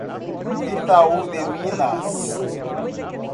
Itaú de Minas